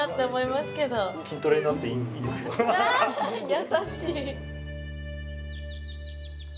優しい。